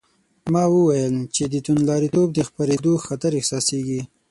ما وویل چې د توندلاریتوب د خپرېدو خطر احساسېږي.